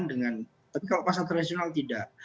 dengan tapi kalau pasar tradisional tidak